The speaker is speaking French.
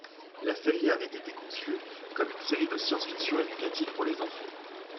La série avait été conçue comme une série de science-fiction éducative pour les enfants.